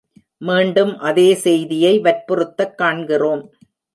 மீண்டும் அதே செய்தியை வற்புறுத்தக் காண்கிறோம்.